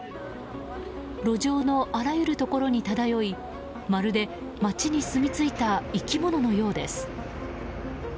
路上のあらゆるところに漂いまるで街にすみついた生き物のようです。